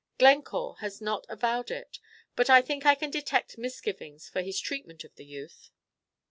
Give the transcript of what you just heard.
Glencore has not avowed it, but I think I can detect misgivings for his treatment of the youth."